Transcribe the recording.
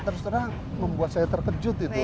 terus terang membuat saya terkejut itu